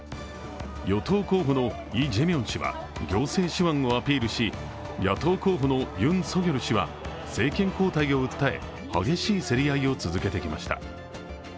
与党候補のイ・ジェミョン氏は行政手腕をアピールし、野党候補のユン・ソギョル氏は政権交代を訴え激しい競り合いを続けてきました。